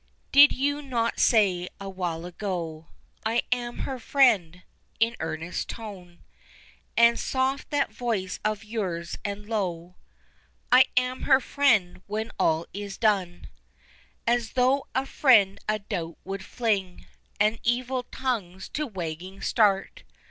Did you not say awhile ago "I am her friend," in earnest tone And soft that voice of yours, and low "I am her friend when all is done;" As though a friend a doubt would fling, And evil tongues to wagging start!